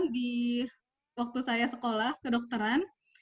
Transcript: di waktu saya sekolah kedokteran